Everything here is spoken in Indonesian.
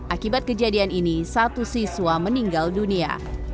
akibat kejadian ini satu siswa meninggal dunia